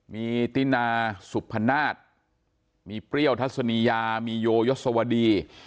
มีตินาสุพนาศมีเปรี้ยวทัศนียามีโยยศวดี